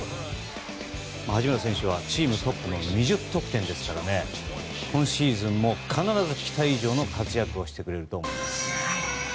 八村選手はチームトップの２０得点ですから今シーズンも必ず期待以上の活躍をしてくれると思います。